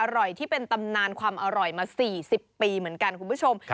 ที่เป็นตำนานความอร่อยมา๔๐ปีเหมือนกันคุณผู้ชม